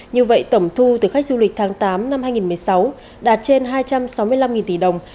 như vậy tổng thu từ khách du lịch tháng tám năm hai nghìn một mươi sáu đạt trên hai trăm sáu mươi năm tỷ đồng